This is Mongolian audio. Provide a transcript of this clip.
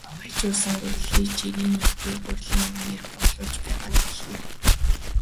Баяжуулсан гурилыг жирийн нэгдүгээр гурилын үнээр борлуулж байгаа билээ.